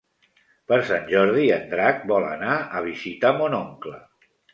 Per Sant Jordi en Drac vol anar a visitar mon oncle.